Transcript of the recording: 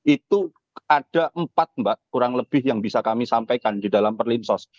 itu ada empat mbak kurang lebih yang bisa kami sampaikan di dalam perlinsos